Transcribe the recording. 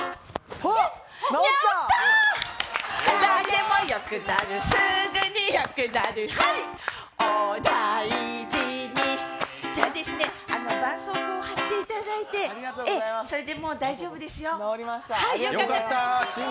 おだいじにばんそうこうを貼っていただいてそれでもう大丈夫ですよ。